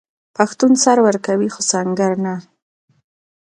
پښتون سر ورکوي خو سنګر نه.